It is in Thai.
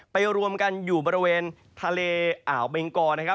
ไปรวมกันอยู่บรรเวณทะเลอ่าบรรยงกอ